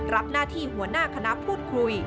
รับหน้าที่หัวหน้าคณะพูดคุย